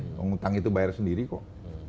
untung utang itu bayar sendiri kok